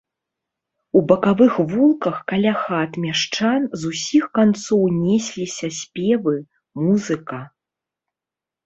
У бакавых вулках каля хат мяшчан з усіх канцоў несліся спевы, музыка.